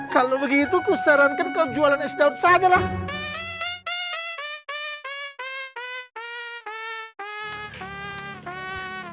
kalau begitu kusarankan kau jualan es dawet saja lah